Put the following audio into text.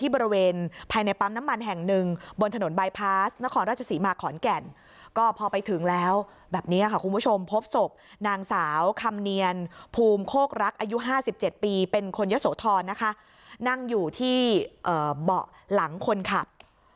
แบบนี้ค่ะคุณผู้ชมพบศพนางสาวคำเนียนภูมิโคกรักอายุ๕๗ปีเป็นคนเยอะโสธรนะคะนั่งอยู่ที่เบาะหลังคนขับ